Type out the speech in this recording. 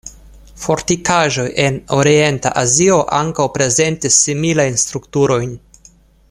Fortikaĵoj en Orienta Azio ankaŭ prezentis similajn strukturojn.